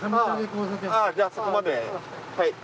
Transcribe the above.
じゃあそこまではい。